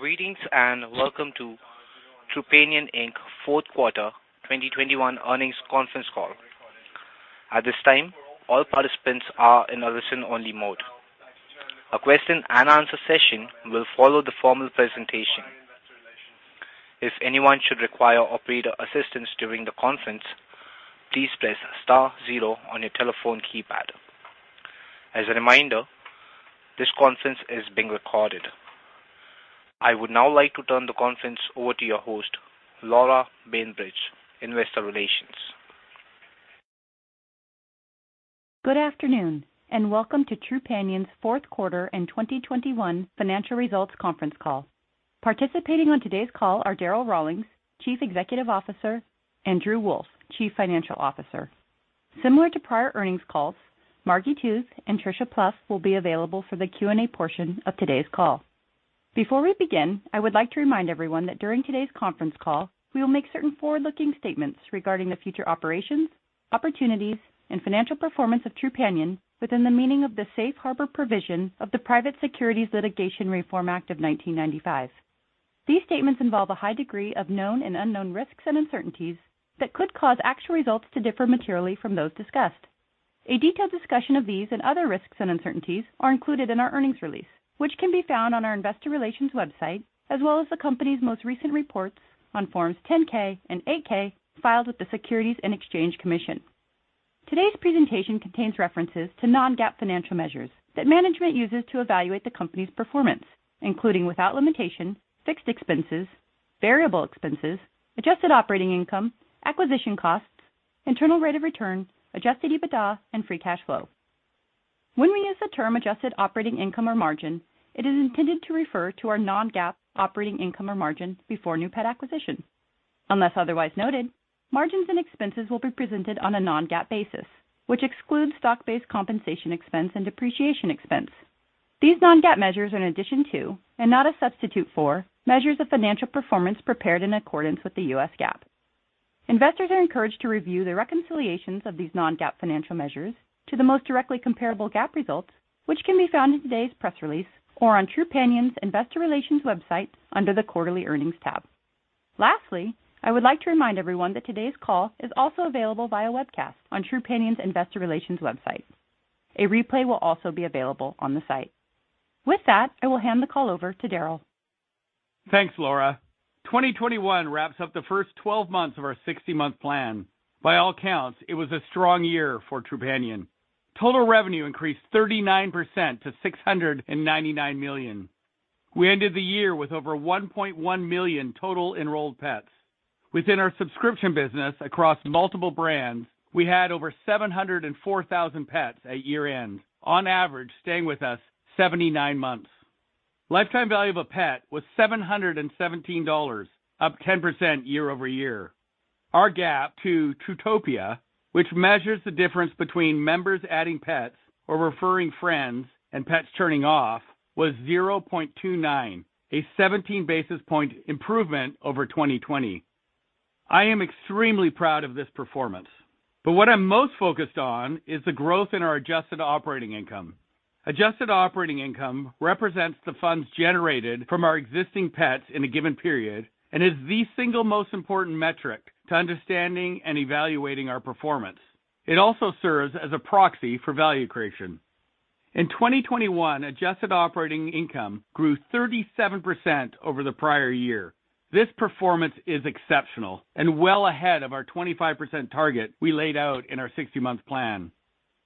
Greetings, and welcome to Trupanion, Inc fourth quarter 2021 earnings conference call. At this time, all participants are in a listen-only mode. A question-and-answer session will follow the formal presentation. If anyone should require operator assistance during the conference, please press star zero on your telephone keypad. As a reminder, this conference is being recorded. I would now like to turn the conference over to your host, Laura Bainbridge, Investor Relations. Good afternoon, and welcome to Trupanion's fourth quarter and 2021 financial results conference call. Participating on today's call are Darryl Rawlings, Chief Executive Officer, and Drew Wolff, Chief Financial Officer. Similar to prior earnings calls, Margi Tooth and Tricia Plouf will be available for the Q&A portion of today's call. Before we begin, I would like to remind everyone that during today's conference call, we will make certain forward-looking statements regarding the future operations, opportunities, and financial performance of Trupanion within the meaning of the Safe Harbor provision of the Private Securities Litigation Reform Act of 1995. These statements involve a high degree of known and unknown risks and uncertainties that could cause actual results to differ materially from those discussed. A detailed discussion of these and other risks and uncertainties are included in our earnings release, which can be found on our investor relations website, as well as the company's most recent reports on Form 10-K and 8-K filed with the Securities and Exchange Commission. Today's presentation contains references to non-GAAP financial measures that management uses to evaluate the company's performance, including without limitation, fixed expenses, variable expenses, adjusted operating income, acquisition costs, internal rate of return, adjusted EBITDA, and free cash flow. When we use the term adjusted operating income or margin, it is intended to refer to our non-GAAP operating income or margin before new pet acquisition. Unless otherwise noted, margins and expenses will be presented on a non-GAAP basis, which excludes stock-based compensation expense and depreciation expense. These non-GAAP measures are in addition to, and not a substitute for, measures of financial performance prepared in accordance with the U.S. GAAP. Investors are encouraged to review the reconciliations of these non-GAAP financial measures to the most directly comparable GAAP results, which can be found in today's press release or on Trupanion's investor relations website under the Quarterly Earnings tab. Lastly, I would like to remind everyone that today's call is also available via webcast on Trupanion's investor relations website. A replay will also be available on the site. With that, I will hand the call over to Darryl. Thanks, Laura. 2021 wraps up the first 12 months of our 60-month plan. By all accounts, it was a strong year for Trupanion. Total revenue increased 39% to $699 million. We ended the year with over 1.1 million total enrolled pets. Within our subscription business across multiple brands, we had over 704,000 pets at year-end, on average, staying with us 79 months. Lifetime value of a pet was $717, up 10% year-over-year. Our Gap to TruTopia, which measures the difference between members adding pets or referring friends and pets turning off, was 0.29, a 17 basis point improvement over 2020. I am extremely proud of this performance, but what I'm most focused on is the growth in our adjusted operating income. Adjusted operating income represents the funds generated from our existing pets in a given period and is the single most important metric to understanding and evaluating our performance. It also serves as a proxy for value creation. In 2021, adjusted operating income grew 37% over the prior year. This performance is exceptional and well ahead of our 25% target we laid out in our 60-month plan.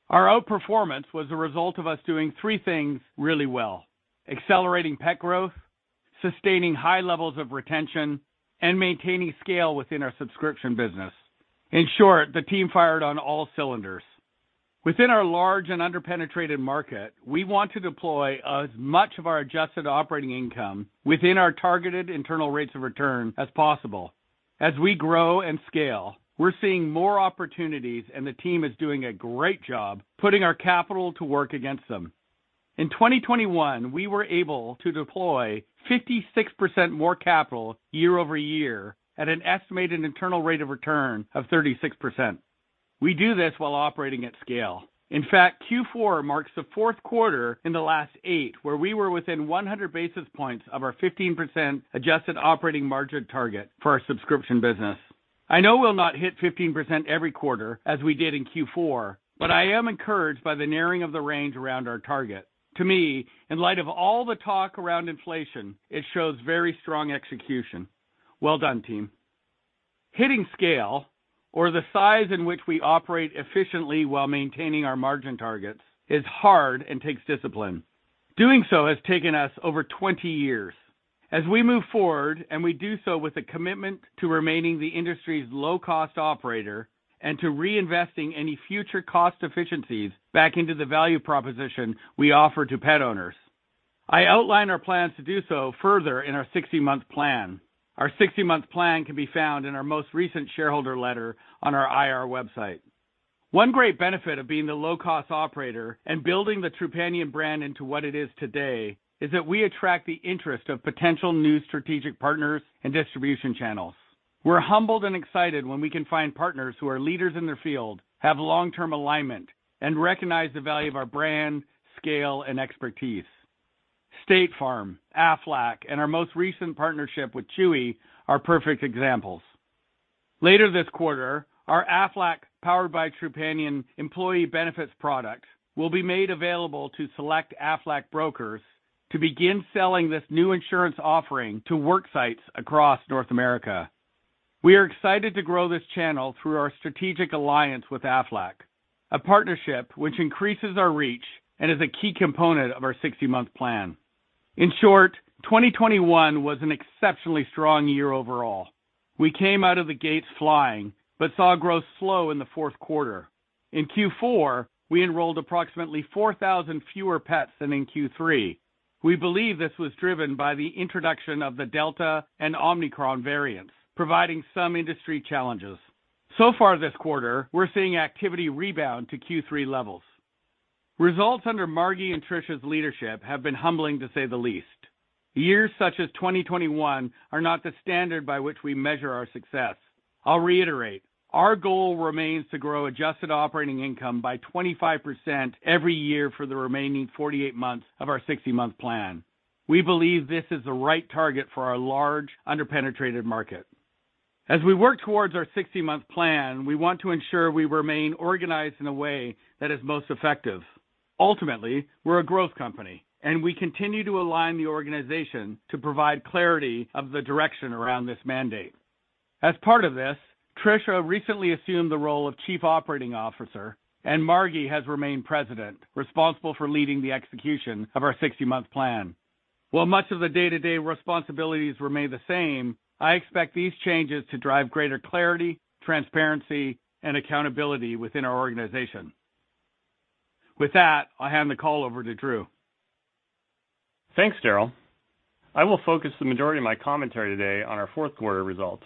Our outperformance was a result of us doing three things really well, accelerating pet growth, sustaining high levels of retention, and maintaining scale within our subscription business. In short, the team fired on all cylinders. Within our large and under-penetrated market, we want to deploy as much of our adjusted operating income within our targeted internal rates of return as possible. As we grow and scale, we're seeing more opportunities, and the team is doing a great job putting our capital to work against them. In 2021, we were able to deploy 56% more capital year-over-year at an estimated internal rate of return of 36%. We do this while operating at scale. In fact, Q4 marks the fourth quarter in the last eight where we were within 100 basis points of our 15% adjusted operating margin target for our subscription business. I know we'll not hit 15% every quarter as we did in Q4, but I am encouraged by the narrowing of the range around our target. To me, in light of all the talk around inflation, it shows very strong execution. Well done, team. Hitting scale or the size in which we operate efficiently while maintaining our margin targets is hard and takes discipline. Doing so has taken us over 20 years. As we move forward, and we do so with a commitment to remaining the industry's low-cost operator and to reinvesting any future cost efficiencies back into the value proposition we offer to pet owners. I outline our plans to do so further in our 60-month plan. Our 60-month plan can be found in our most recent shareholder letter on our IR website. One great benefit of being the low-cost operator and building the Trupanion brand into what it is today is that we attract the interest of potential new strategic partners and distribution channels. We're humbled and excited when we can find partners who are leaders in their field, have long-term alignment, and recognize the value of our brand, scale, and expertise. State Farm, Aflac, and our most recent partnership with Chewy are perfect examples. Later this quarter, our Aflac Powered by Trupanion employee benefits product will be made available to select Aflac brokers to begin selling this new insurance offering to work sites across North America. We are excited to grow this channel through our strategic alliance with Aflac, a partnership which increases our reach and is a key component of our 60-month plan. In short, 2021 was an exceptionally strong year overall. We came out of the gates flying, but saw growth slow in the fourth quarter. In Q4, we enrolled approximately 4,000 fewer pets than in Q3. We believe this was driven by the introduction of the Delta and Omicron variants, providing some industry challenges. So far this quarter, we're seeing activity rebound to Q3 levels. Results under Margi and Tricia's leadership have been humbling, to say the least. Years such as 2021 are not the standard by which we measure our success. I'll reiterate, our goal remains to grow adjusted operating income by 25% every year for the remaining 48 months of our 60-month plan. We believe this is the right target for our large under-penetrated market. As we work towards our 60-month plan, we want to ensure we remain organized in a way that is most effective. Ultimately, we're a growth company, and we continue to align the organization to provide clarity of the direction around this mandate. As part of this, Tricia recently assumed the role of Chief Operating Officer, and Margi has remained President, responsible for leading the execution of our 60-month plan. While much of the day-to-day responsibilities remain the same, I expect these changes to drive greater clarity, transparency, and accountability within our organization. With that, I'll hand the call over to Drew. Thanks, Darryl. I will focus the majority of my commentary today on our fourth quarter results.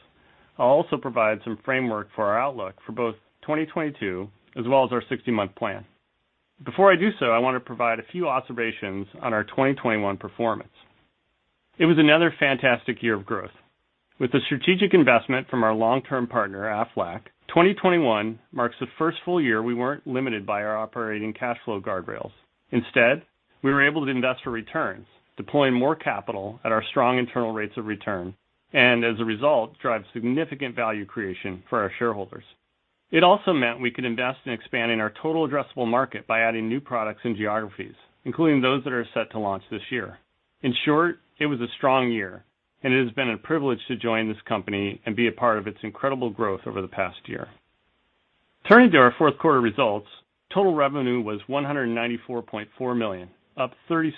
I'll also provide some framework for our outlook for both 2022 as well as our 60-month plan. Before I do so, I want to provide a few observations on our 2021 performance. It was another fantastic year of growth. With the strategic investment from our long-term partner, Aflac, 2021 marks the first full year we weren't limited by our operating cash flow guardrails. Instead, we were able to invest for returns, deploying more capital at our strong internal rates of return, and as a result, drive significant value creation for our shareholders. It also meant we could invest in expanding our total addressable market by adding new products and geographies, including those that are set to launch this year. In short, it was a strong year, and it has been a privilege to join this company and be a part of its incredible growth over the past year. Turning to our fourth quarter results, total revenue was $194.4 million, up 36%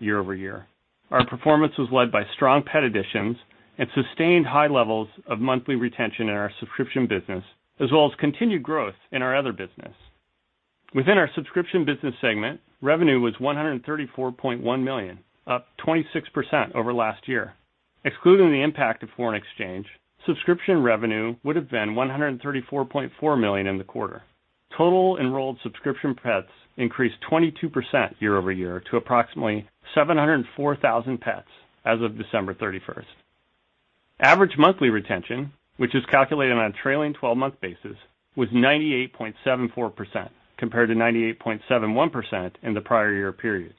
year-over-year. Our performance was led by strong pet additions and sustained high levels of monthly retention in our subscription business, as well as continued growth in our other business. Within our subscription business segment, revenue was $134.1 million, up 26% over last year. Excluding the impact of foreign exchange, subscription revenue would have been $134.4 million in the quarter. Total enrolled subscription pets increased 22% year-over-year to approximately 704,000 pets as of December 31st. Average monthly retention, which is calculated on a trailing 12-month basis, was 98.74% compared to 98.71% in the prior year period.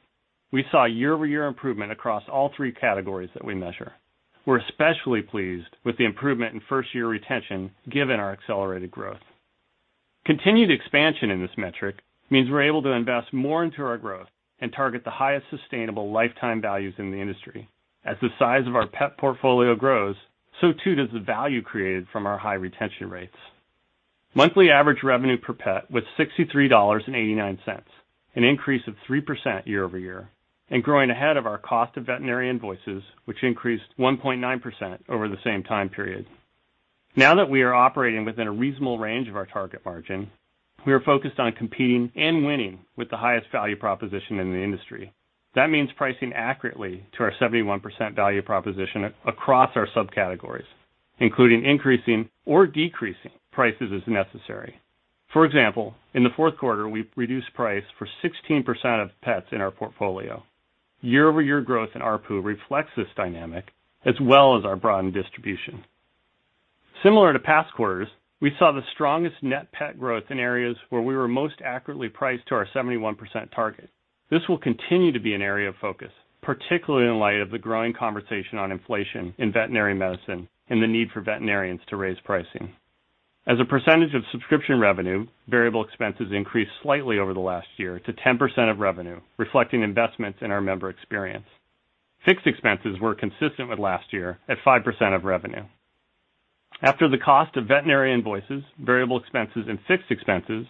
We saw year-over-year improvement across all three categories that we measure. We're especially pleased with the improvement in first-year retention given our accelerated growth. Continued expansion in this metric means we're able to invest more into our growth and target the highest sustainable lifetime values in the industry. As the size of our pet portfolio grows, so too does the value created from our high retention rates. Monthly average revenue per pet was $63.89, an increase of 3% year-over-year, and growing ahead of our cost of veterinary invoices, which increased 1.9% over the same time period. Now that we are operating within a reasonable range of our target margin, we are focused on competing and winning with the highest value proposition in the industry. That means pricing accurately to our 71% value proposition across our subcategories, including increasing or decreasing prices as necessary. For example, in the fourth quarter, we reduced price for 16% of pets in our portfolio. Year-over-year growth in ARPU reflects this dynamic as well as our broadened distribution. Similar to past quarters, we saw the strongest net pet growth in areas where we were most accurately priced to our 71% target. This will continue to be an area of focus, particularly in light of the growing conversation on inflation in veterinary medicine and the need for veterinarians to raise pricing. As a percentage of subscription revenue, variable expenses increased slightly over the last year to 10% of revenue, reflecting investments in our member experience. Fixed expenses were consistent with last year at 5% of revenue. After the cost of veterinary invoices, variable expenses, and fixed expenses,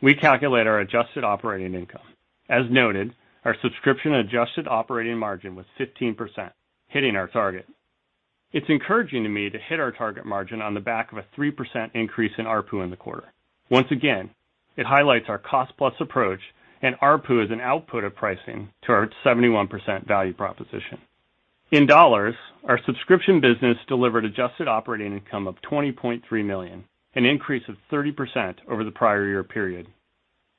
we calculate our adjusted operating income. As noted, our subscription adjusted operating margin was 15%, hitting our target. It's encouraging to me to hit our target margin on the back of a 3% increase in ARPU in the quarter. Once again, it highlights our cost-plus approach and ARPU as an output of pricing to our 71% value proposition. In dollars, our subscription business delivered adjusted operating income of $20.3 million, an increase of 30% over the prior year period.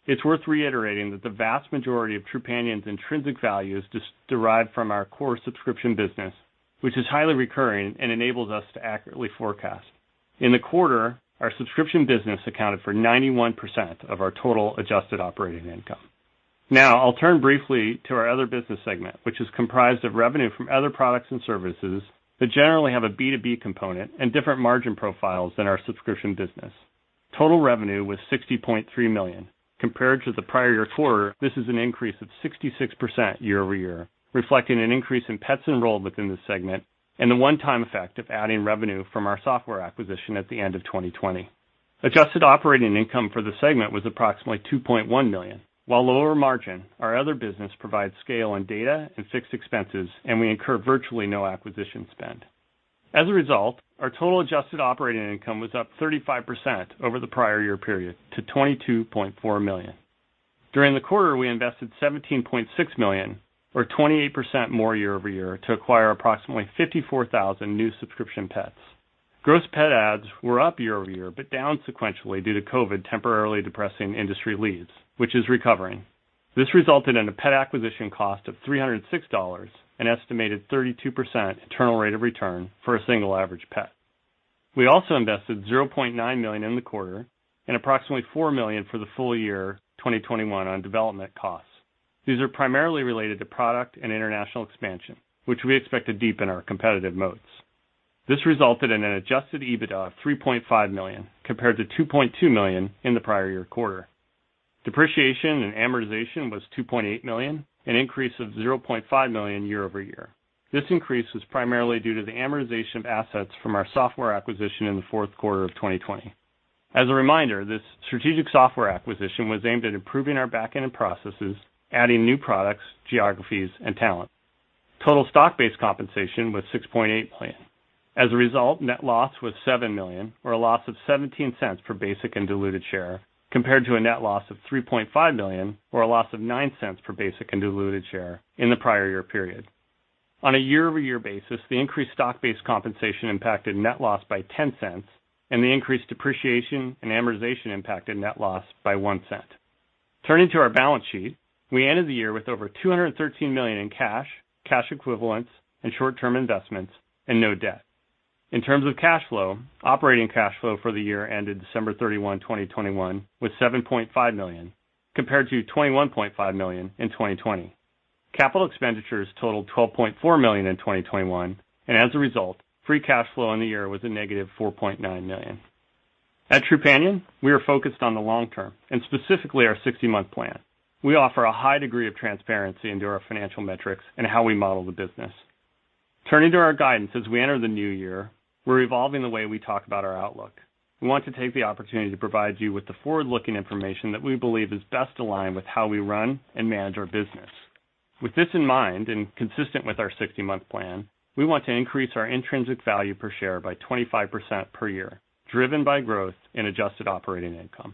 It's worth reiterating that the vast majority of Trupanion's intrinsic value is derived from our core subscription business, which is highly recurring and enables us to accurately forecast. In the quarter, our subscription business accounted for 91% of our total adjusted operating income. Now I'll turn briefly to our other business segment, which is comprised of revenue from other products and services that generally have a B2B component and different margin profiles than our subscription business. Total revenue was $60.3 million. Compared to the prior year quarter, this is an increase of 66% year-over-year, reflecting an increase in pets enrolled within the segment and the one-time effect of adding revenue from our software acquisition at the end of 2020. Adjusted operating income for the segment was approximately $2.1 million. While lower margin, our other business provides scale on data and fixed expenses, and we incur virtually no acquisition spend. As a result, our total adjusted operating income was up 35% over the prior year period to $22.4 million. During the quarter, we invested $17.6 million, or 28% more year-over-year, to acquire approximately 54,000 new subscription pets. Gross pet adds were up year-over-year but down sequentially due to COVID temporarily depressing industry leads, which is recovering. This resulted in a pet acquisition cost of $306, an estimated 32% internal rate of return for a single average pet. We also invested $0.9 million in the quarter and approximately $4 million for the full year 2021 on development costs. These are primarily related to product and international expansion, which we expect to deepen our competitive moats. This resulted in an adjusted EBITDA of $3.5 million, compared to $2.2 million in the prior year quarter. Depreciation and amortization was $2.8 million, an increase of $0.5 million year-over-year. This increase was primarily due to the amortization of assets from our software acquisition in the fourth quarter of 2020. As a reminder, this strategic software acquisition was aimed at improving our back-end processes, adding new products, geographies, and talent. Total stock-based compensation was $6.8 million. As a result, net loss was $7 million or a loss of $0.17 per basic and diluted share, compared to a net loss of $3.5 million or a loss of $0.09 per basic and diluted share in the prior year period. On a year-over-year basis, the increased stock-based compensation impacted net loss by 10 cents, and the increased depreciation and amortization impacted net loss by one cent. Turning to our balance sheet, we ended the year with over $213 million in cash equivalents, and short-term investments and no debt. In terms of cash flow, operating cash flow for the year ended December 31, 2021 was $7.5 million, compared to $21.5 million in 2020. Capital expenditures totaled $12.4 million in 2021, and as a result, free cash flow in the year was a negative $4.9 million. At Trupanion, we are focused on the long term, and specifically our 60-month plan. We offer a high degree of transparency into our financial metrics and how we model the business. Turning to our guidance as we enter the new year, we're evolving the way we talk about our outlook. We want to take the opportunity to provide you with the forward-looking information that we believe is best aligned with how we run and manage our business. With this in mind, and consistent with our 60-month plan, we want to increase our intrinsic value per share by 25% per year, driven by growth in adjusted operating income.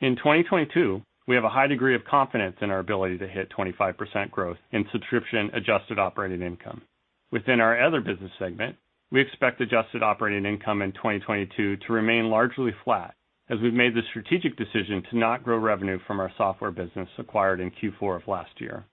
In 2022, we have a high degree of confidence in our ability to hit 25% growth in subscription adjusted operating income. Within our other business segment, we expect adjusted operating income in 2022 to remain largely flat as we've made the strategic decision to not grow revenue from our software business acquired in Q4 of last year.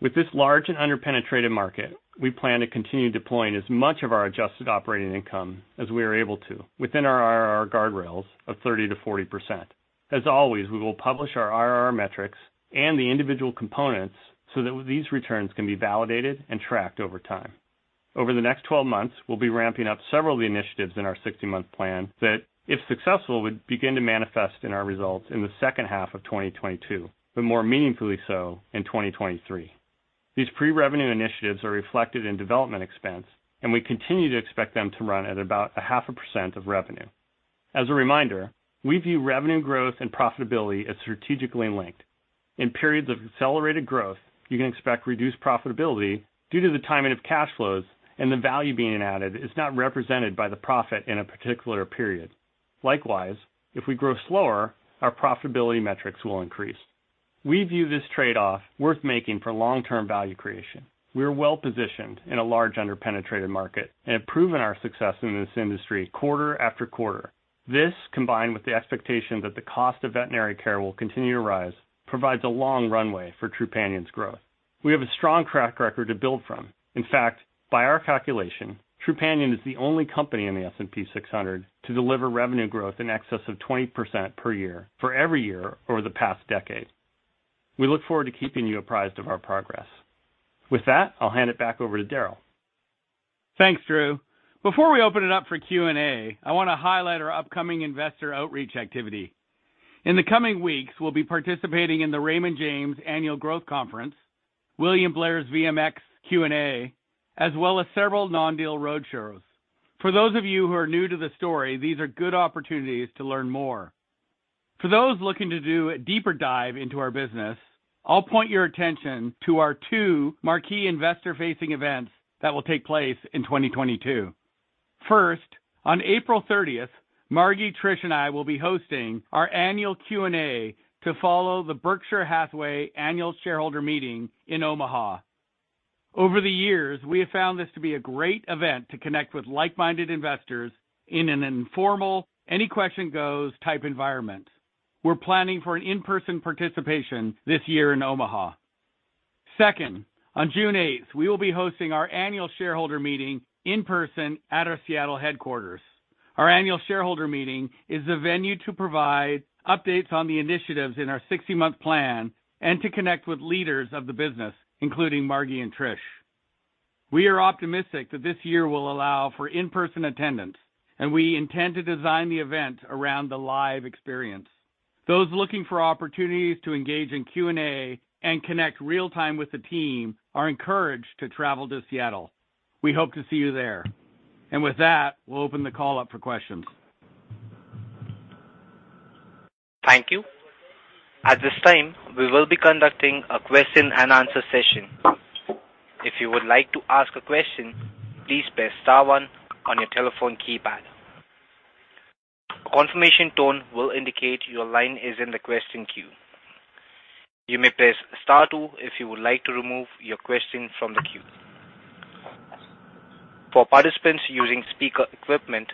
With this large and under-penetrated market, we plan to continue deploying as much of our adjusted operating income as we are able to within our IRR guardrails of 30%-40%. As always, we will publish our IRR metrics and the individual components so that these returns can be validated and tracked over time. Over the next 12 months, we'll be ramping up several of the initiatives in our 60-month plan that, if successful, would begin to manifest in our results in the second half of 2022, but more meaningfully so in 2023. These pre-revenue initiatives are reflected in development expense, and we continue to expect them to run at about half a percent of revenue. As a reminder, we view revenue growth and profitability as strategically linked. In periods of accelerated growth, you can expect reduced profitability due to the timing of cash flows, and the value being added is not represented by the profit in a particular period. Likewise, if we grow slower, our profitability metrics will increase. We view this trade-off worth making for long-term value creation. We are well-positioned in a large under-penetrated market and have proven our success in this industry quarter after quarter. This, combined with the expectation that the cost of veterinary care will continue to rise, provides a long runway for Trupanion's growth. We have a strong track record to build from. In fact, by our calculation, Trupanion is the only company in the S&P 600 to deliver revenue growth in excess of 20% per year for every year over the past decade. We look forward to keeping you apprised of our progress. With that, I'll hand it back over to Darryl. Thanks, Drew. Before we open it up for Q&A, I want to highlight our upcoming investor outreach activity. In the coming weeks, we'll be participating in the Raymond James Annual Growth Conference, William Blair's VMX Q&A, as well as several non-deal roadshows. For those of you who are new to the story, these are good opportunities to learn more. For those looking to do a deeper dive into our business, I'll point your attention to our two marquee investor-facing events that will take place in 2022. First, on April 30th, Margi, Tricia, and I will be hosting our annual Q&A to follow the Berkshire Hathaway Annual Shareholder Meeting in Omaha. Over the years, we have found this to be a great event to connect with like-minded investors in an informal, any-question-goes type environment. We're planning for an in-person participation this year in Omaha. Second, on June 8th, we will be hosting our annual shareholder meeting in person at our Seattle headquarters. Our annual shareholder meeting is a venue to provide updates on the initiatives in our 60-month plan and to connect with leaders of the business, including Margi and Trish. We are optimistic that this year will allow for in-person attendance, and we intend to design the event around the live experience. Those looking for opportunities to engage in Q&A and connect real time with the team are encouraged to travel to Seattle. We hope to see you there. With that, we'll open the call up for questions. Thank you. At this time, we will be conducting a question and answer session. If you would like to ask a question, please press star one on your telephone keypad. A confirmation tone will indicate your line is in the question queue. You may press star two if you would like to remove your question from the queue. For participants using speaker equipment,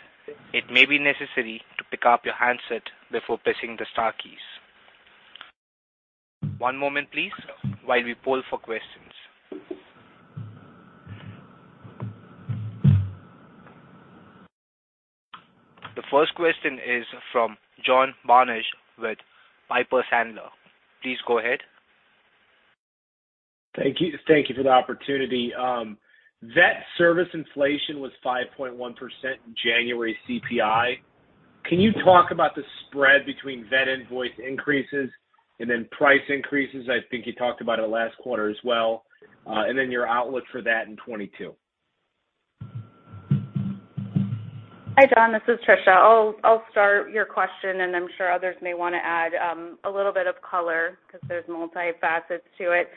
it may be necessary to pick up your handset before pressing the star keys. One moment please while we poll for questions. The first question is from John Barnidge with Piper Sandler. Please go ahead. Thank you. Thank you for the opportunity. Vet service inflation was 5.1% in January CPI. Can you talk about the spread between vet invoice increases and then price increases? I think you talked about it last quarter as well, and then your outlook for that in 2022. Hi, John. This is Tricia. I'll start your question, and I'm sure others may want to add a little bit of color because there's multifaceted to it.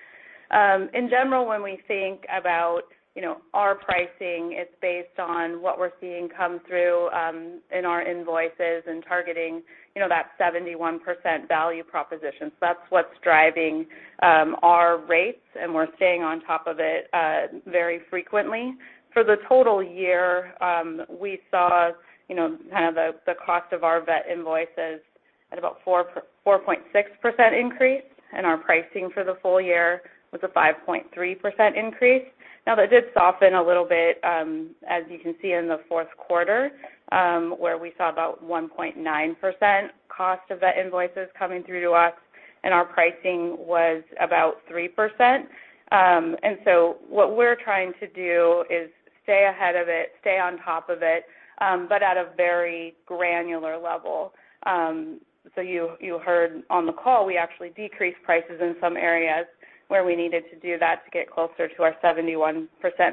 In general, when we think about, you know, our pricing, it's based on what we're seeing come through in our invoices and targeting, you know, that 71% value proposition. That's what's driving our rates, and we're staying on top of it very frequently. For the total year, we saw, you know, the cost of our vet invoices at about 4.6% increase, and our pricing for the full year was a 5.3% increase. Now, that did soften a little bit, as you can see in the fourth quarter, where we saw about 1.9% cost of vet invoices coming through to us, and our pricing was about 3%. What we're trying to do is stay ahead of it, stay on top of it, but at a very granular level. You heard on the call, we actually decreased prices in some areas where we needed to do that to get closer to our 71%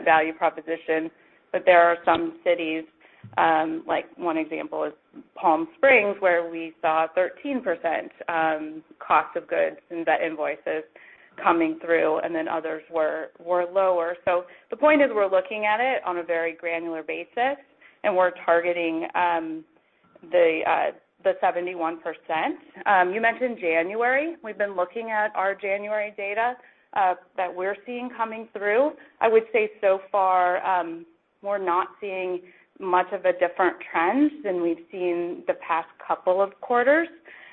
value proposition. But there are some cities, like one example is Palm Springs, where we saw 13% cost of goods and vet invoices coming through, and then others were lower. The point is we're looking at it on a very granular basis, and we're targeting the 71%. You mentioned January. We've been looking at our January data that we're seeing coming through. I would say so far, we're not seeing much of a different trend than we've seen the past couple of quarters.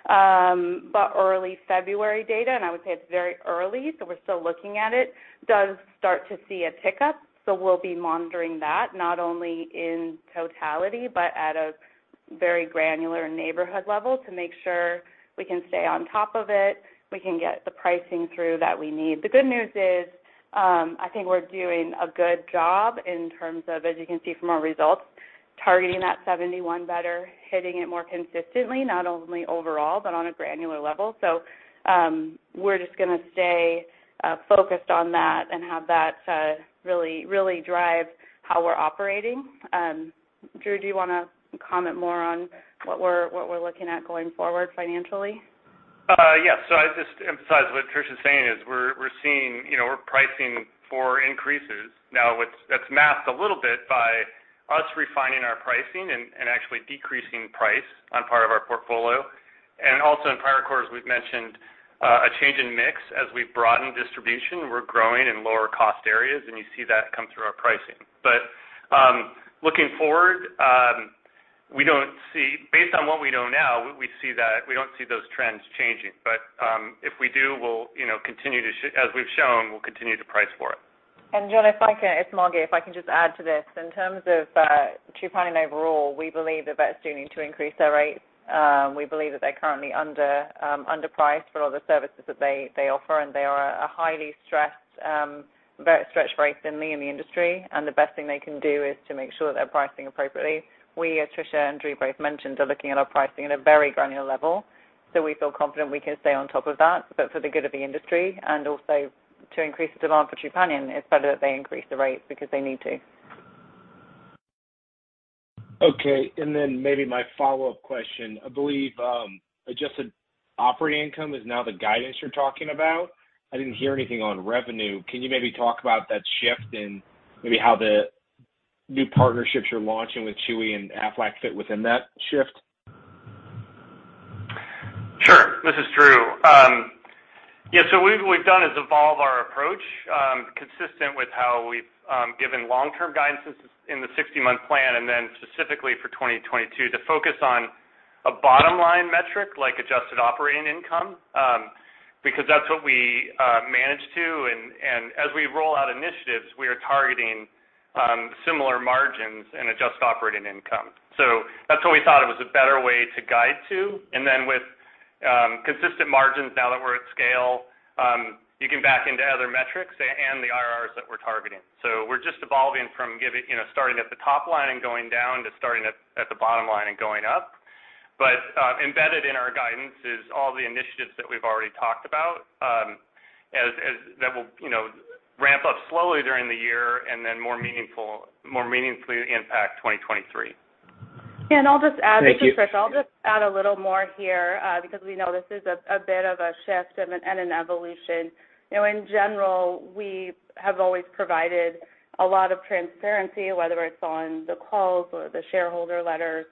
But early February data, and I would say it's very early, so we're still looking at it, does start to see a pickup. We'll be monitoring that not only in totality but at a very granular neighborhood level to make sure we can stay on top of it, we can get the pricing through that we need. The good news is, I think we're doing a good job in terms of, as you can see from our results, targeting that 71% better, hitting it more consistently, not only overall, but on a granular level. We're just gonna stay focused on that and have that really drive how we're operating. Drew, do you wanna comment more on what we're looking at going forward financially? Yes. I'd just emphasize what Tricia's saying is we're seeing, you know, we're pricing for increases. Now it's masked a little bit by us refining our pricing and actually decreasing price on part of our portfolio. In prior quarters, we've mentioned a change in mix as we've broadened distribution. We're growing in lower cost areas, and you see that come through our pricing. Looking forward, based on what we know now, we don't see those trends changing. If we do, we'll, you know, continue to, as we've shown, we'll continue to price for it. John, if I can, it's Margi. If I can just add to this. In terms of Chewy and overall, we believe the vets do need to increase their rates. We believe that they're currently underpriced for all the services that they offer, and they are highly stressed vets stretched very thinly in the industry. The best thing they can do is to make sure that they're pricing appropriately. We, as Tricia and Drew both mentioned, are looking at our pricing at a very granular level, so we feel confident we can stay on top of that. For the good of the industry and also to increase the demand for Chewy and it's better that they increase the rates because they need to. Okay. Maybe my follow-up question. I believe, adjusted operating income is now the guidance you're talking about. I didn't hear anything on revenue. Can you maybe talk about that shift and maybe how the new partnerships you're launching with Chewy and Aflac fit within that shift? Sure. This is Drew. What we've done is evolve our approach, consistent with how we've given long-term guidance in the 60-month plan, and then specifically for 2022 to focus on a bottom-line metric like adjusted operating income, because that's what we manage to. As we roll out initiatives, we are targeting similar margins and adjusted operating income. That's what we thought it was a better way to guide to. With consistent margins now that we're at scale, you can back into other metrics and the IRRs that we're targeting. We're just evolving from giving, you know, starting at the top line and going down to starting at the bottom line and going up. Embedded in our guidance is all the initiatives that we've already talked about, as that will, you know, ramp up slowly during the year and then more meaningfully impact 2023. I'll just add. Thank you. This is Margi. I'll just add a little more here, because we know this is a bit of a shift and an evolution. You know, in general, we have always provided a lot of transparency, whether it's on the calls or the shareholder letters.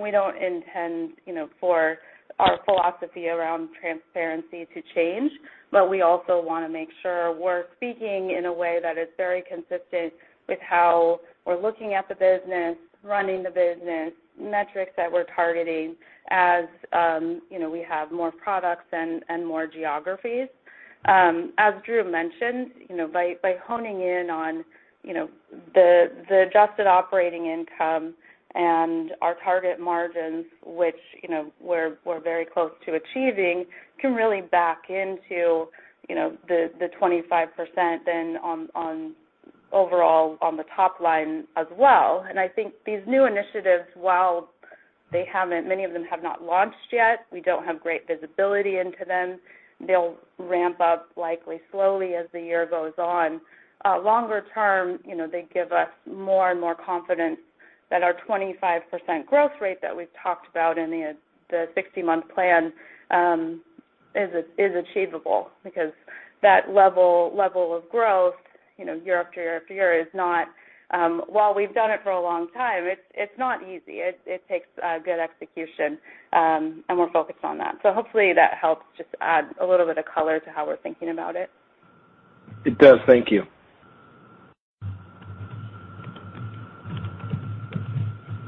We don't intend, you know, for our philosophy around transparency to change. But we also wanna make sure we're speaking in a way that is very consistent with how we're looking at the business, running the business, metrics that we're targeting as we have more products and more geographies. As Drew mentioned, you know, by honing in on, you know, the adjusted operating income and our target margins, which, you know, we're very close to achieving, can really back into, you know, the 25% then on overall on the top line as well. I think these new initiatives, while many of them have not launched yet, we don't have great visibility into them. They'll ramp up likely slowly as the year goes on. Longer term, you know, they give us more and more confidence that our 25% growth rate that we've talked about in the 60-month plan is achievable because that level of growth, you know, year after year after year is not, while we've done it for a long time, it's not easy. It takes good execution, and we're focused on that. Hopefully, that helps just add a little bit of color to how we're thinking about it. It does. Thank you.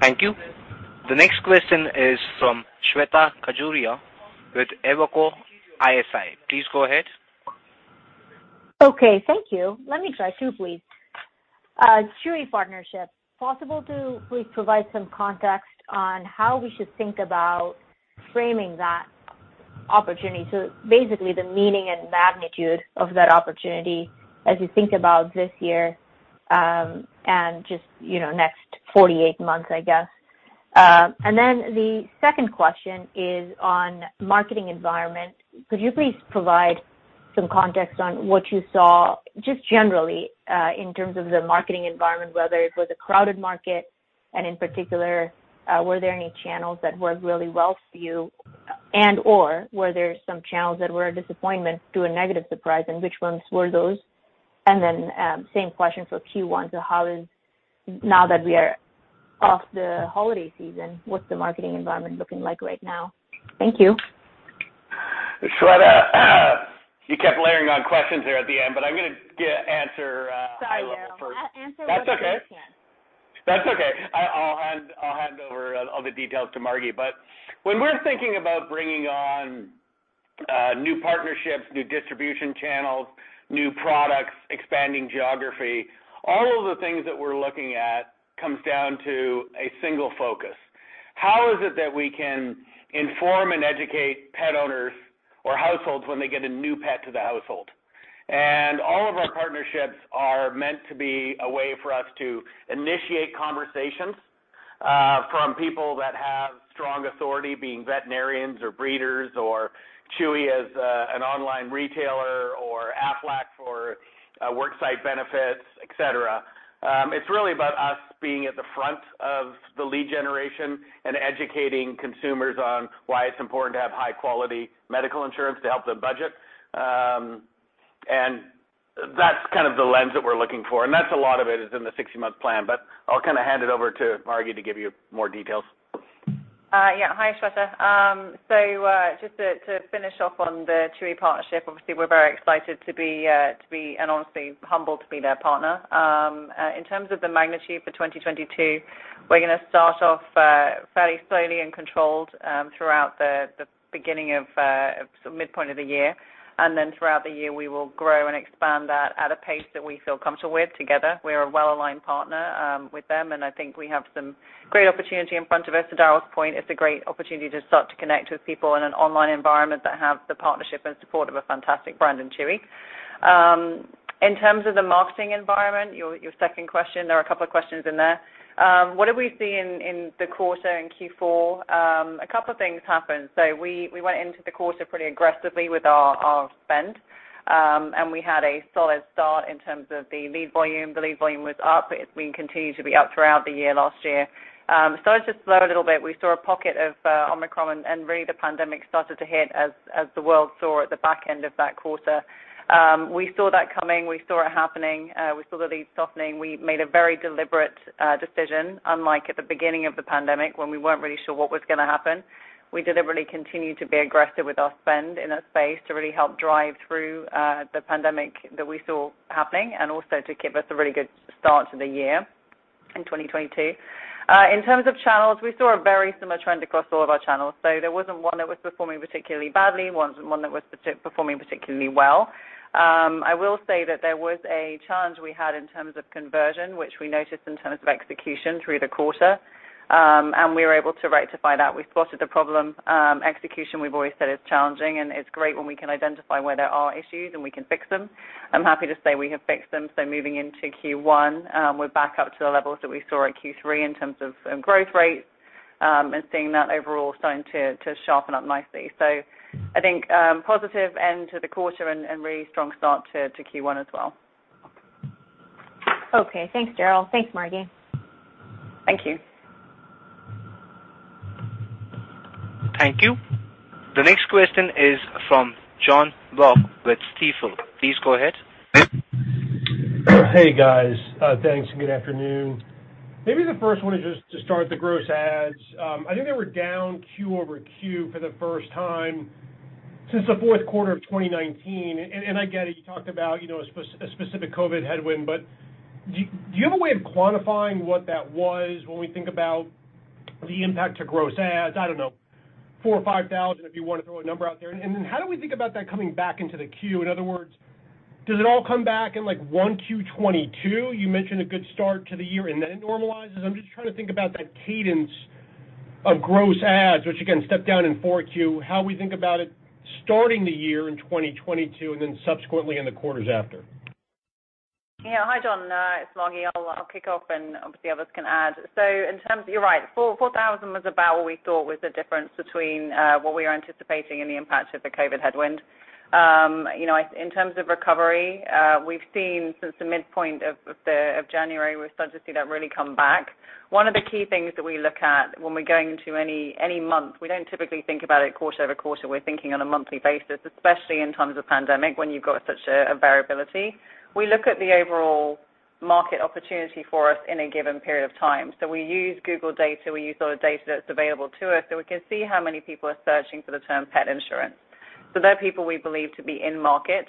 Thank you. The next question is from Shweta Khajuria with Evercore ISI. Please go ahead. Okay, thank you. Let me try two, please. Chewy partnership. Is it possible to please provide some context on how we should think about framing that opportunity. Basically, the meaning and magnitude of that opportunity as you think about this year, and just, you know, next 48 months, I guess. The second question is on marketing environment. Could you please provide some context on what you saw just generally in terms of the marketing environment, whether it was a crowded market and in particular, were there any channels that worked really well for you and/or were there some channels that were a disappointment or a negative surprise, and which ones were those? Same question for Q1. Now that we are off the holiday season, what's the marketing environment looking like right now? Thank you. Shweta, you kept layering on questions there at the end, but I'm gonna answer high level first. Sorry, Darryl. That's okay. That's okay. I'll hand over all the details to Margi. When we're thinking about bringing on new partnerships, new distribution channels, new products, expanding geography, all of the things that we're looking at comes down to a single focus. How is it that we can inform and educate pet owners or households when they get a new pet to the household? All of our partnerships are meant to be a way for us to initiate conversations from people that have strong authority being veterinarians or breeders or Chewy as an online retailer or Aflac for work site benefits, et cetera. It's really about us being at the front of the lead generation and educating consumers on why it's important to have high quality medical insurance to help them budget. That's kind of the lens that we're looking for. That's a lot of it is in the 60-month plan. I'll kind of hand it over to Margi to give you more details. Yeah. Hi, Shweta. Just to finish off on the Chewy partnership, obviously, we're very excited to be, and honestly humbled to be their partner. In terms of the magnitude for 2022, we're gonna start off fairly slowly and controlled throughout the beginning of midpoint of the year. Throughout the year, we will grow and expand that at a pace that we feel comfortable with together. We're a well-aligned partner with them, and I think we have some great opportunity in front of us. To Darryl's point, it's a great opportunity to start to connect with people in an online environment that have the partnership and support of a fantastic brand in Chewy. In terms of the marketing environment, your second question, there are a couple of questions in there. What did we see in the quarter in Q4? A couple of things happened. We went into the quarter pretty aggressively with our spend. We had a solid start in terms of the lead volume. The lead volume was up. It's been continued to be up throughout the year, last year. It's just slowed a little bit. We saw a pocket of Omicron and really the pandemic started to hit as the world saw at the back end of that quarter. We saw that coming. We saw it happening. We saw the lead softening. We made a very deliberate decision, unlike at the beginning of the pandemic, when we weren't really sure what was gonna happen. We deliberately continued to be aggressive with our spend in that space to really help drive through the pandemic that we saw happening and also to give us a really good start to the year. In 2022, in terms of channels, we saw a very similar trend across all of our channels. There wasn't one that was performing particularly badly, one that was performing particularly well. I will say that there was a challenge we had in terms of conversion, which we noticed in terms of execution through the quarter. We were able to rectify that we spotted the problem. Execution, we've always said, is challenging, and it's great when we can identify where there are issues, and we can fix them. I'm happy to say we have fixed them, so moving into Q1, we're back up to the levels that we saw at Q3 in terms of growth rates, and seeing that overall starting to sharpen up nicely. I think positive end to the quarter and really strong start to Q1 as well. Okay. Thanks, Darryl. Thanks, Margi. Thank you. Thank you. The next question is from Jonathan Block with Stifel. Please go ahead. Hey, guys. Thanks, and good afternoon. Maybe the first one is just to start with the gross adds. I think they were down quarter-over-quarter for the first time since the fourth quarter of 2019. And I get it, you talked about, you know, a specific COVID headwind, but do you have a way of quantifying what that was when we think about the impact to gross adds? I don't know, 4000 or 5000 if you wanna throw a number out there. And then how do we think about that coming back into the Q? In other words, does it all come back in, like, Q1 2022? You mentioned a good start to the year, and then it normalizes. I'm just trying to think about that cadence of gross adds, which again, stepped down in 4Q, how we think about it starting the year in 2022 and then subsequently in the quarters after. Yeah. Hi, John. It's Margi. I'll kick off, and obviously others can add. You're right. 4,000 was about what we thought was the difference between what we are anticipating and the impact of the COVID headwind. You know, in terms of recovery, we've seen since the midpoint of January, we're starting to see that really come back. One of the key things that we look at when we're going into any month, we don't typically think about it quarter-over-quarter. We're thinking on a monthly basis, especially in times of pandemic, when you've got such a variability. We look at the overall market opportunity for us in a given period of time. We use Google data. We use all the data that's available to us, so we can see how many people are searching for the term pet insurance. They're people we believe to be in market.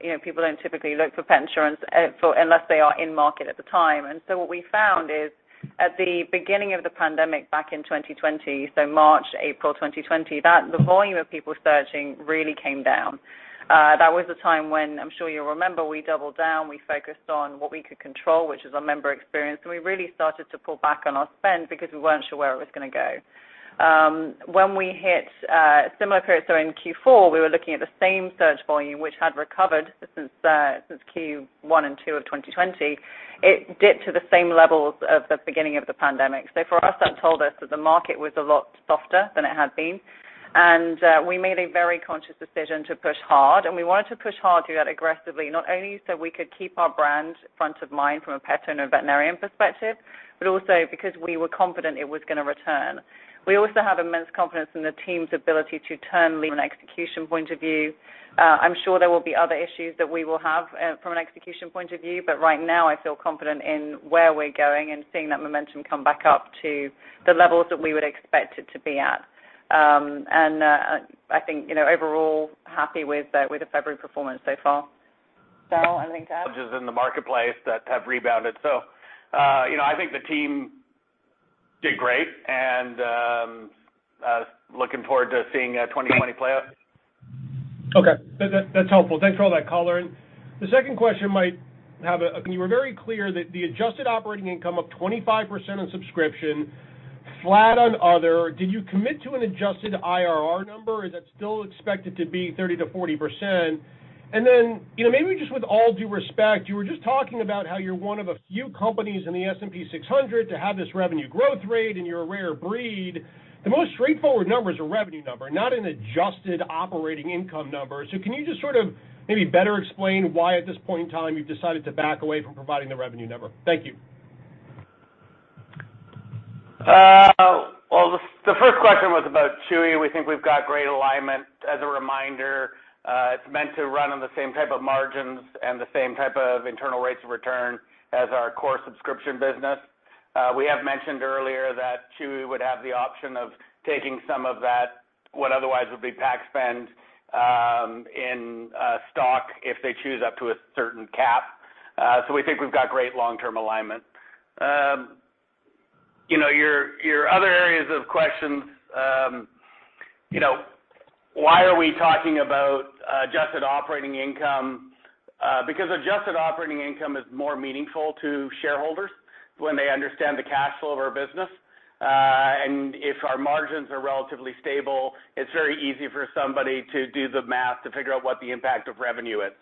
You know, people don't typically look for pet insurance unless they are in market at the time. What we found is at the beginning of the pandemic back in 2020, so March, April 2020, that the volume of people searching really came down. That was the time when, I'm sure you'll remember, we doubled down. We focused on what we could control, which is our member experience. We really started to pull back on our spend because we weren't sure where it was gonna go. When we hit a similar period, so in Q4, we were looking at the same search volume which had recovered since Q1 and Q2 of 2020. It dipped to the same levels as the beginning of the pandemic. For us, that told us that the market was a lot softer than it had been. We made a very conscious decision to push hard, and we wanted to push hard to do that aggressively, not only so we could keep our brand front of mind from a pet owner and veterinarian perspective, but also because we were confident it was gonna return. We also have immense confidence in the team's ability to turn from an execution point of view. I'm sure there will be other issues that we will have from an execution point of view, but right now I feel confident in where we're going and seeing that momentum come back up to the levels that we would expect it to be at. I think, you know, overall, happy with the February performance so far. Darryl, anything to add? Just in the marketplace that have rebounded. You know, I think the team did great, and looking forward to seeing 2020 play out. Okay. That's helpful. Thanks for all that color. The second question might have a... You were very clear that the adjusted operating income of 25% on subscription, flat on other. Did you commit to an adjusted IRR number? Is that still expected to be 30%-40%? You know, maybe just with all due respect, you were just talking about how you're one of a few companies in the S&P 600 to have this revenue growth rate, and you're a rare breed. The most straightforward number is a revenue number, not an adjusted operating income number. Can you just sort of maybe better explain why at this point in time you've decided to back away from providing the revenue number? Thank you. Well, the first question was about Chewy. We think we've got great alignment. As a reminder, it's meant to run on the same type of margins and the same type of internal rates of return as our core subscription business. We have mentioned earlier that Chewy would have the option of taking some of that, what otherwise would be PAC spend, in stock if they choose up to a certain cap. We think we've got great long-term alignment. You know, your other areas of questions, you know, why are we talking about adjusted operating income? Because adjusted operating income is more meaningful to shareholders when they understand the cash flow of our business. If our margins are relatively stable, it's very easy for somebody to do the math to figure out what the impact of revenue is.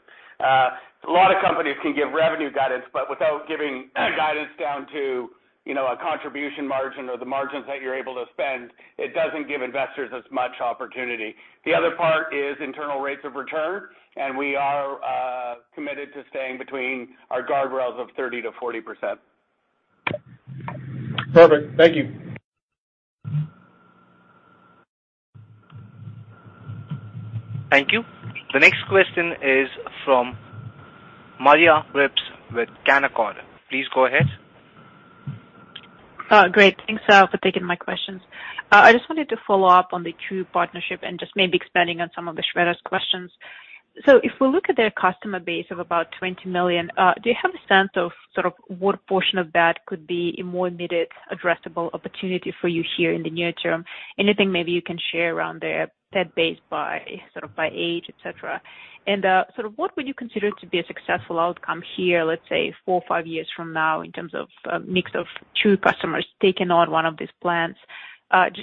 A lot of companies can give revenue guidance, but without giving guidance down to, you know, a contribution margin or the margins that you're able to spend, it doesn't give investors as much opportunity. The other part is internal rates of return, and we are committed to staying between our guardrails of 30%-40%. Perfect. Thank you. Thank you. The next question is from Maria Ripps with Canaccord. Please go ahead. Oh, great. Thanks for taking my questions. I just wanted to follow up on the Chewy partnership and just maybe expanding on some of the Shweta's questions. If we look at their customer base of about 20 million, do you have a sense of sort of what portion of that could be a more immediate addressable opportunity for you here in the near term? Anything maybe you can share around their pet base by sort of by age, et cetera. What would you consider to be a successful outcome here, let's say four or five years from now in terms of a mix of Chewy customers taking on one of these plans?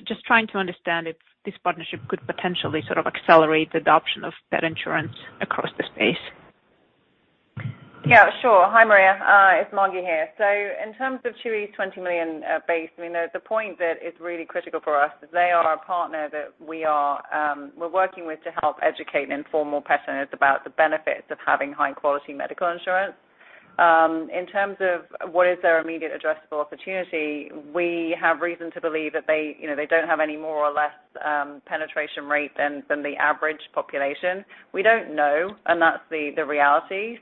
Just trying to understand if this partnership could potentially sort of accelerate the adoption of pet insurance across the space. Yeah, sure. Hi, Maria, it's Margi here. In terms of Chewy's 20 million base, I mean, the point that is really critical for us is they are a partner that we're working with to help educate and inform more pet owners about the benefits of having high quality medical insurance. In terms of what is their immediate addressable opportunity, we have reason to believe that they, you know, they don't have any more or less penetration rate than the average population. We don't know, and that's the reality.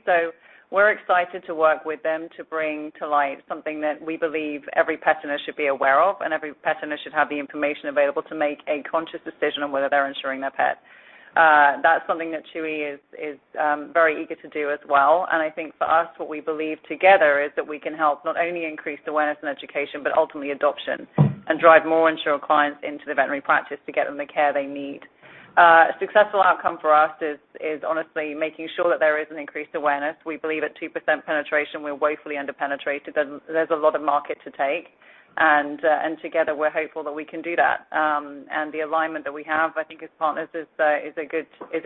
We're excited to work with them to bring to light something that we believe every pet owner should be aware of, and every pet owner should have the information available to make a conscious decision on whether they're insuring their pet. That's something that Chewy is very eager to do as well. I think for us, what we believe together is that we can help not only increase awareness and education, but ultimately adoption and drive more insured clients into the veterinary practice to get them the care they need. A successful outcome for us is honestly making sure that there is an increased awareness. We believe at 2% penetration, we're woefully under-penetrated, there's a lot of market to take. Together, we're hopeful that we can do that. The alignment that we have, I think its partners is a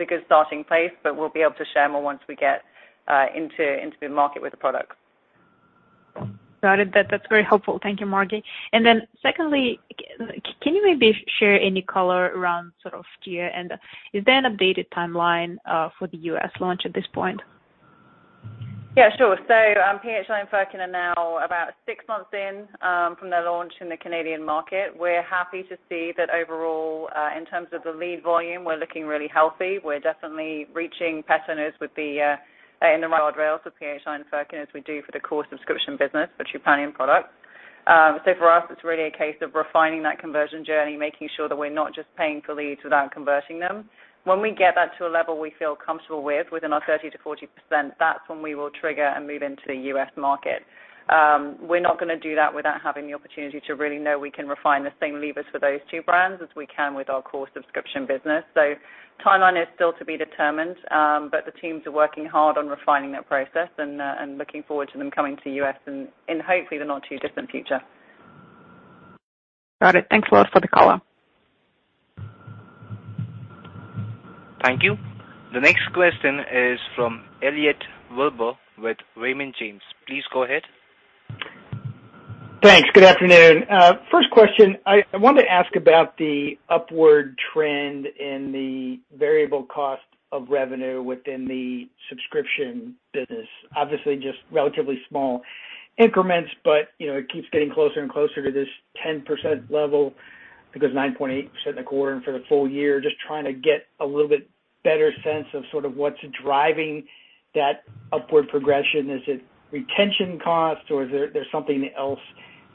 good starting place, but we'll be able to share more once we get into the market with the products. Got it. That's very helpful. Thank you, Margi. Secondly, can you maybe share any color around sort of year-end, and is there an updated timeline for the U.S. launch at this point? Yeah, sure. PHI and Furkin are now about six months in from their launch in the Canadian market. We're happy to see that overall in terms of the lead volume, we're looking really healthy. We're definitely reaching pet owners with the in the rollout for PHI and Furkin, as we do for the core subscription business for Chewy pet plan product. For us, it's really a case of refining that conversion journey, making sure that we're not just paying for leads without converting them. When we get that to a level we feel comfortable with within our 30%-40%, that's when we will trigger and move into the U.S. market. We're not gonna do that without having the opportunity to really know we can refine the same levers for those two brands as we can with our core subscription business. Timeline is still to be determined, but the teams are working hard on refining that process and looking forward to them coming to U.S. and in hopefully the not too distant future. Got it. Thanks a lot for the color. Thank you. The next question is from Elliot Wilbur with Raymond James. Please go ahead. Thanks. Good afternoon. First question, I want to ask about the upward trend in the variable cost of revenue within the subscription business. Obviously, just relatively small increments, but you know, it keeps getting closer and closer to this 10% level. I think it was 9.8% in the quarter and for the full year. Just trying to get a little bit better sense of sort of what's driving that upward progression. Is it retention cost or is there something else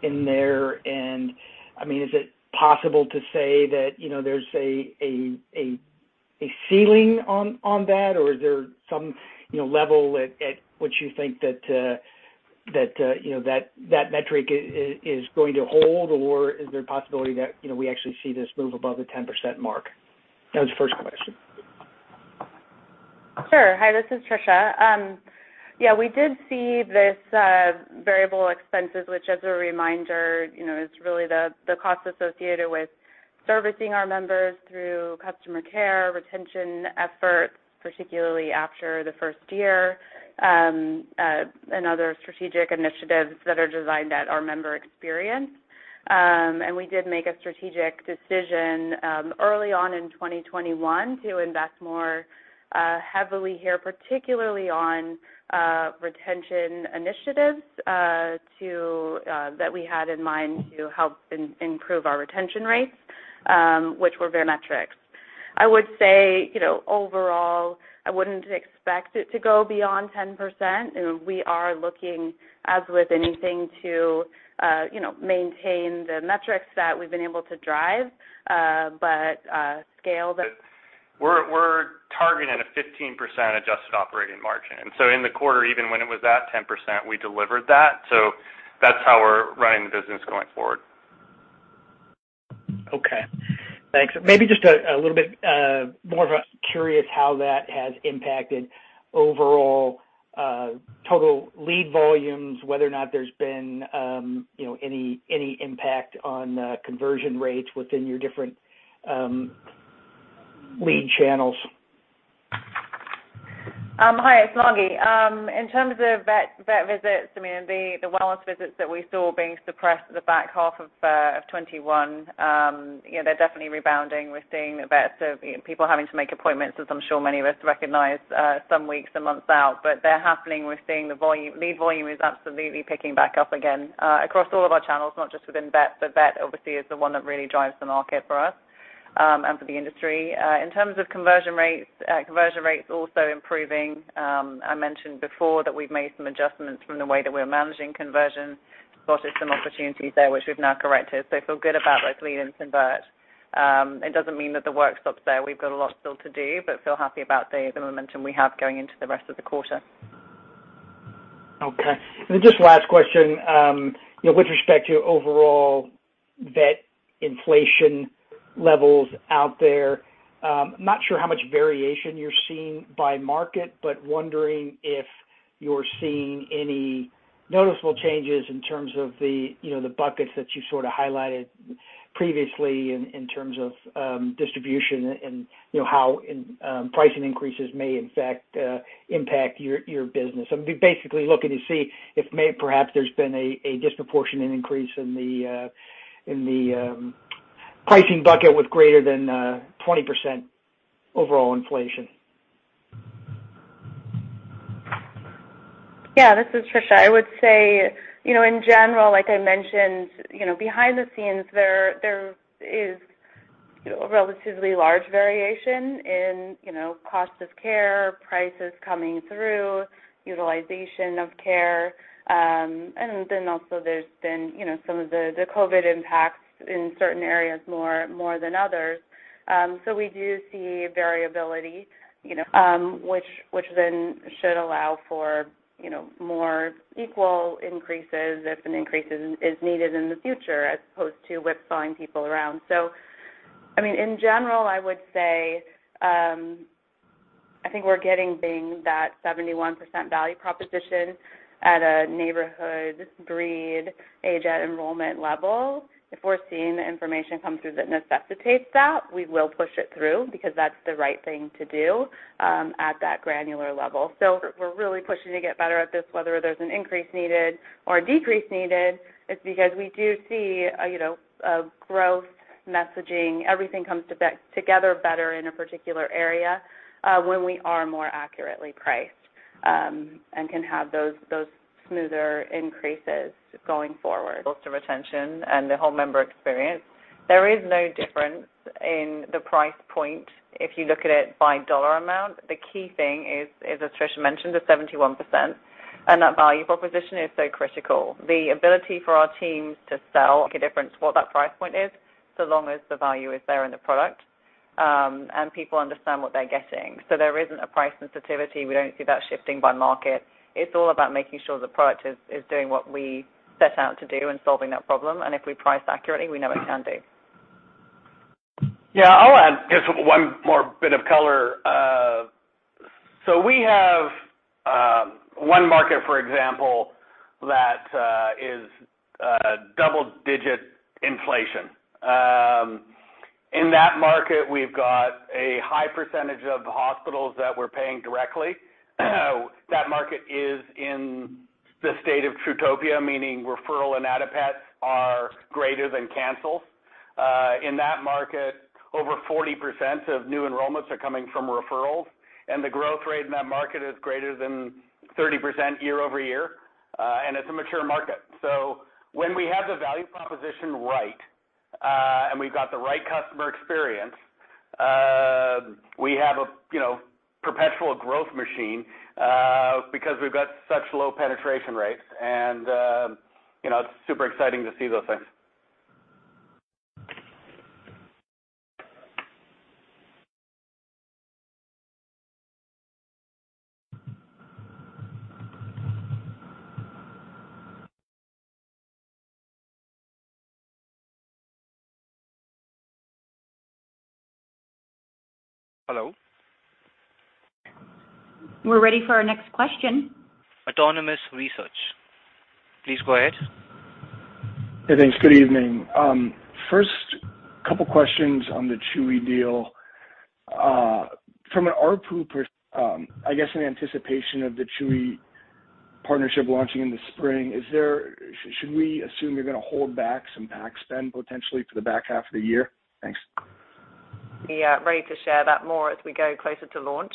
in there? I mean, is it possible to say that, you know, there's a ceiling on that or is there some, you know, level at which you think that you know, that metric is going to hold, or is there a possibility that, you know, we actually see this move above the 10% mark? That was the first question. Sure. Hi, this is Tricia. Yeah, we did see this variable expenses, which as a reminder, you know, is really the cost associated with servicing our members through customer care, retention efforts, particularly after the first year, and other strategic initiatives that are designed at our member experience. We did make a strategic decision early on in 2021 to invest more heavily here, particularly on retention initiatives to that we had in mind to help improve our retention rates, which were their metrics. I would say, you know, overall, I wouldn't expect it to go beyond 10%. You know, we are looking as with anything to you know, maintain the metrics that we've been able to drive, but scale that. We're targeting a 15% adjusted operating margin. In the quarter, even when it was at 10%, we delivered that. That's how we're running the business going forward. Okay. Thanks. Maybe just a little bit more curious how that has impacted overall total lead volumes, whether or not there's been, you know, any impact on conversion rates within your different lead channels. Hi, it's Margi. In terms of vet visits, I mean, the wellness visits that we saw being suppressed at the back half of 2021, you know, they're definitely rebounding. We're seeing vets, people having to make appointments, as I'm sure many of us recognize, some weeks and months out. They're happening. We're seeing the volume. Lead volume is absolutely picking back up again, across all of our channels, not just within vet, but vet obviously is the one that really drives the market for us. For the industry. In terms of conversion rates, conversion rates also improving. I mentioned before that we've made some adjustments from the way that we're managing conversion. Spotted some opportunities there, which we've now corrected. I feel good about those lead-ins converts. It doesn't mean that the work stops there. We've got a lot still to do, but feel happy about the momentum we have going into the rest of the quarter. Okay. Then just last question. You know, with respect to your overall vet inflation levels out there, not sure how much variation you're seeing by market, but wondering if you're seeing any noticeable changes in terms of the, you know, the buckets that you sort of highlighted previously in terms of distribution and you know, how pricing increases may in fact impact your business. I'm basically looking to see if may perhaps there's been a disproportionate increase in the pricing bucket with greater than 20% overall inflation. Yeah, this is Tricia. I would say, you know, in general, like I mentioned, you know, behind the scenes there is, you know, a relatively large variation in, you know, cost of care, prices coming through, utilization of care. Then also there's been, you know, some of the COVID impacts in certain areas more than others. We do see variability, you know, which then should allow for, you know, more equal increases if an increase is needed in the future as opposed to whipsawing people around. I mean, in general, I would say, I think we're getting to that 71% value proposition at a neighborhood, breed, age at enrollment level. If we're seeing the information come through that necessitates that, we will push it through because that's the right thing to do, at that granular level. We're really pushing to get better at this, whether there's an increase needed or a decrease needed. It's because we do see you know, a growth messaging, everything comes together better in a particular area, when we are more accurately priced, and can have those smoother increases going forward. Customer retention and the whole member experience. There is no difference in the price point if you look at it by dollar amount. The key thing is, as Tricia mentioned, the 71%, and that value proposition is so critical. The ability for our teams to sell make a difference what that price point is, so long as the value is there in the product, and people understand what they're getting. There isn't a price sensitivity. We don't see that shifting by market. It's all about making sure the product is doing what we set out to do and solving that problem. If we price accurately, we know it can do. Yeah, I'll add just one more bit of color. We have one market, for example, that is double-digit inflation. In that market, we've got a high percentage of the hospitals that we're paying directly. That market is in the state of TruTopia, meaning referral and add-a-pet are greater than cancels. In that market, over 40% of new enrollments are coming from referrals, and the growth rate in that market is greater than 30% year-over-year. It's a mature market. When we have the value proposition right, and we've got the right customer experience, we have a, you know, perpetual growth machine, because we've got such low penetration rates, and, you know, it's super exciting to see those things. Hello. We're ready for our next question. Autonomous Research. Please go ahead. Yeah, thanks. Good evening. First, couple questions on the Chewy deal. From an ARPU perspective, I guess in anticipation of the Chewy partnership launching in the spring, should we assume you're gonna hold back some back spend potentially to the back half of the year? Thanks. We are ready to share that more as we go closer to launch.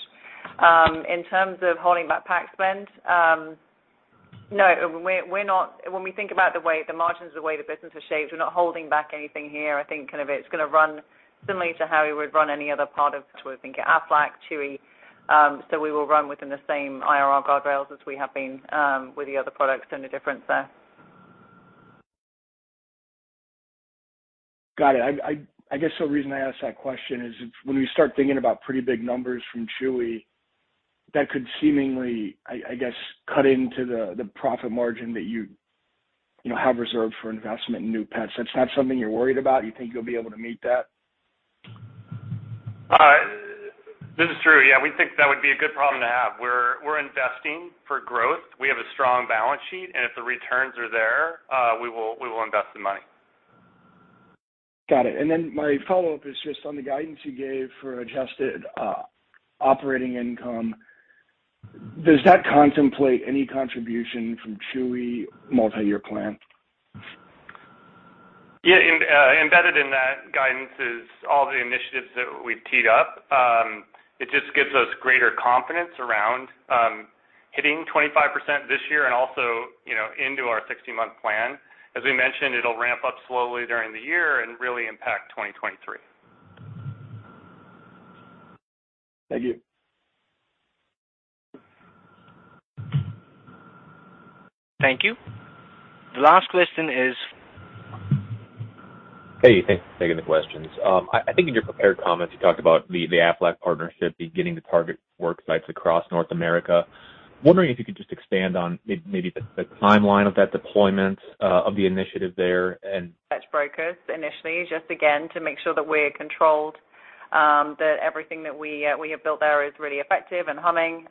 In terms of holding back PAC spend, no, we're not. When we think about the way the margins, the way the business is shaped, we're not holding back anything here. I think kind of it's gonna run similarly to how we would run any other part of which we think Aflac, Chewy. We will run within the same IRR guardrails as we have been with the other products and the difference there. Got it. I guess the reason I ask that question is if when we start thinking about pretty big numbers from Chewy, that could seemingly, I guess, cut into the profit margin that you know have reserved for investment in new pets. That's not something you're worried about. You think you'll be able to meet that? This is Drew. Yeah, we think that would be a good problem to have. We're investing for growth. We have a strong balance sheet, and if the returns are there, we will invest the money. Got it. My follow-up is just on the guidance you gave for adjusted operating income. Does that contemplate any contribution from Chewy multi-year plan? Yeah. Embedded in that guidance is all the initiatives that we've teed up. It just gives us greater confidence around hitting 25% this year and also, you know, into our 60-month plan. As we mentioned, it'll ramp up slowly during the year and really impact 2023. Thank you. Thank you. The last question is. Hey, thanks for taking the questions. I think in your prepared comments, you talked about the Aflac partnership beginning to target work sites across North America. Wondering if you could just expand on maybe the timeline of that deployment, of the initiative there. Brokers initially, just again, to make sure that we're controlled, that everything we have built there is really effective and humming.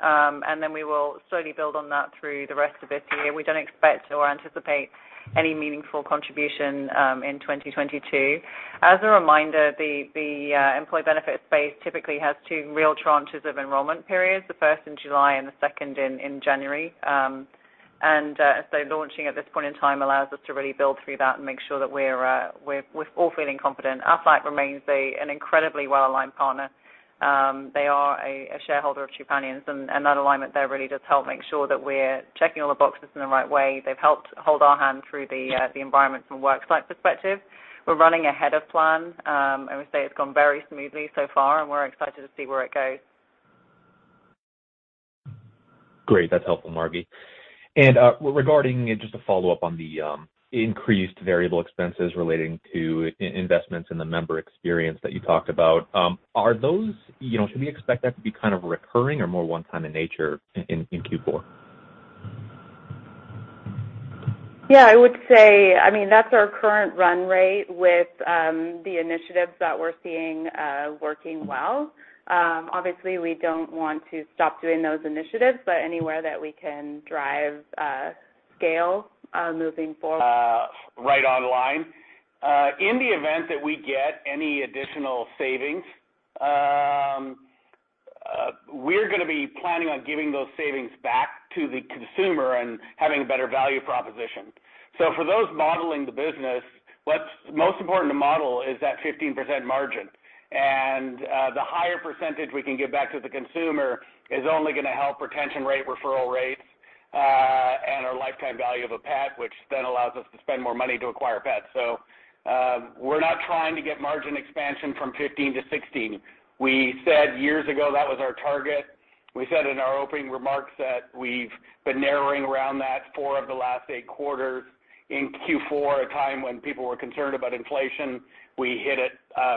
Then we will slowly build on that through the rest of this year. We don't expect or anticipate any meaningful contribution in 2022. As a reminder, the employee benefit space typically has two real tranches of enrollment periods, the first in July and the second in January. Launching at this point in time allows us to really build through that and make sure that we're all feeling confident. Aflac remains an incredibly well-aligned partner. They are a shareholder of Trupanion's, and that alignment there really does help make sure that we're checking all the boxes in the right way. They've helped hold our hand through the environment from a work site perspective. We're running ahead of plan, and we say it's gone very smoothly so far, and we're excited to see where it goes. Great. That's helpful, Margi. Regarding just a follow-up on the increased variable expenses relating to investments in the member experience that you talked about, should we expect that to be kind of recurring or more one-time in nature in Q4? Yeah, I would say, I mean, that's our current run rate with the initiatives that we're seeing working well. Obviously, we don't want to stop doing those initiatives, but anywhere that we can drive scale moving forward. Right online. In the event that we get any additional savings, we're gonna be planning on giving those savings back to the consumer and having a better value proposition. For those modeling the business, what's most important to model is that 15% margin. The higher percentage we can give back to the consumer is only gonna help retention rate, referral rates, and our lifetime value of a pet, which then allows us to spend more money to acquire pets. We're not trying to get margin expansion from 15%-16%. We said years ago that was our target. We said in our opening remarks that we've been narrowing around that for the last eight quarters. In Q4, a time when people were concerned about inflation, we hit it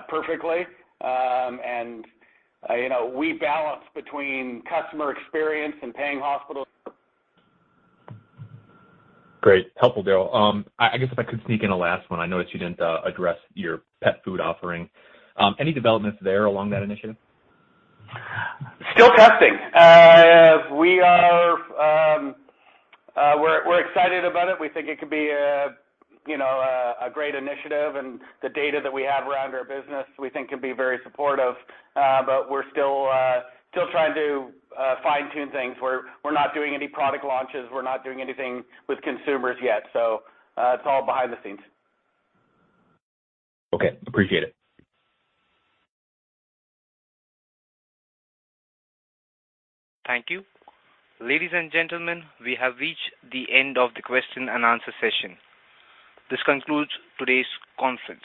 perfectly. You know, we balance between customer experience and paying hospitals. Great. Helpful, Darryl. I guess if I could sneak in a last one. I noticed you didn't address your pet food offering. Any developments there along that initiative? Still testing. We're excited about it. We think it could be a you know great initiative, and the data that we have around our business, we think could be very supportive. We're still trying to fine-tune things. We're not doing any product launches. We're not doing anything with consumers yet. It's all behind the scenes. Okay. Appreciate it. Thank you. Ladies and gentlemen, we have reached the end of the question and answer session. This concludes today's conference.